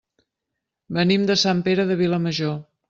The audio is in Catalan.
Venim de Sant Pere de Vilamajor.